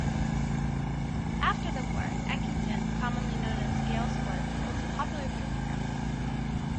After the war, Eckington, commonly known as Gales Woods, was a popular picnic ground.